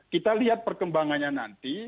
kita lihat perkembangannya nanti